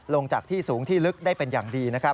ลงจากที่สูงที่ลึกได้เป็นอย่างดีนะครับ